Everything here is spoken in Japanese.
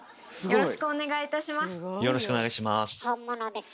よろしくお願いします。